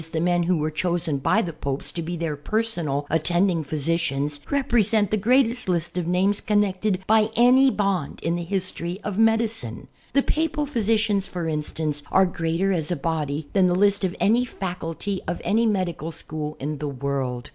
the men who were chosen by the Popes, to be their personal attending physicians, represent the greatest list of names connected by any bond in the history of medicine. The Papal physicians, for instance, are greater as a body than the list of any faculty of any medical school in the world.